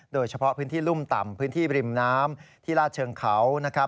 โดยเฉพาะพื้นที่รุ่มต่ำพื้นที่บริมน้ำที่ลาดเชิงเขานะครับ